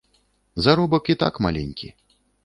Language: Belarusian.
Заробак і так маленькі.